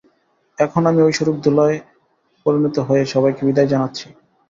এখন আমি ঐশ্বরিক ধূলোয় পরিণত হয়ে, সবাইকে বিদায় জানাছি।